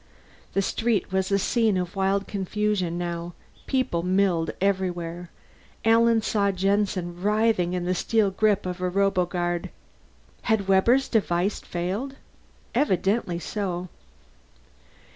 The street was a scene of wild confusion now; people milled everywhere. Alan saw Jensen writhing in the steel grip of a roboguard. Had Webber's device failed? Evidently so.